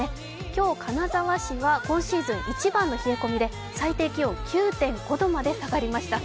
今日、金沢市は今シーズン一番の冷え込みで最低気温９．５度まで下がりました。